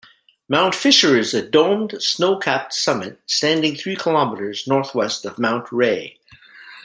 Mount Fisher is a domed, snow-capped summit standing three kilometers northwest of Mount Ray.